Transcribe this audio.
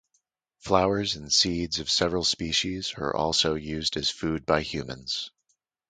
Flowers and seeds of several species are also used as food by humans.